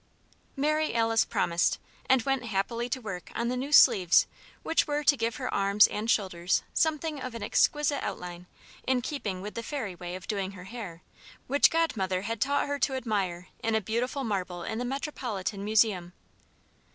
Mary Alice promised, and went happily to work on the new sleeves which were to give her arms and shoulders something of an exquisite outline, in keeping with the fairy way of doing her hair, which Godmother had taught her to admire in a beautiful marble in the Metropolitan Museum.